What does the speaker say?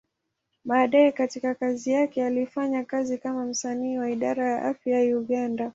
Baadaye katika kazi yake, alifanya kazi kama msanii wa Idara ya Afya ya Uganda.